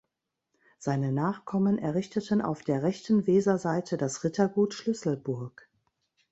Seine Nachkommen errichteten auf der rechten Weserseite das Rittergut Schlüsselburg.